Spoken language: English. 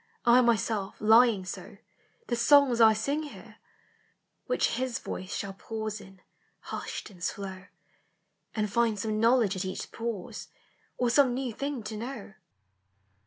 I myself, lying . The songs I sing here : which his voice Shall pause in. hushed and Blow, And mid some knowll g h paUf me new thing to knew.